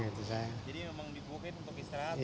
jadi memang dibukit untuk istirahat